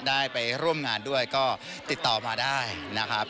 ได้ไปร่วมงานด้วยก็ติดต่อมาได้นะครับ